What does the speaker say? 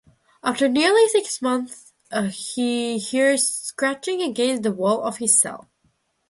After nearly six months, he hears scratching against the wall of his cell.